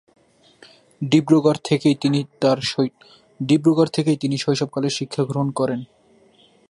ডিব্রুগড় থেকেই তিনি শৈশব কালের শিক্ষা গ্রহণ করেন।